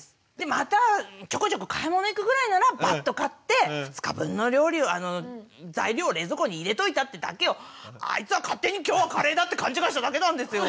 またちょこちょこ買い物行くぐらいならバッと買って２日分の料理をあの材料を冷蔵庫に入れといたってだけをあいつは勝手に今日はカレーだって勘違いしただけなんですよ。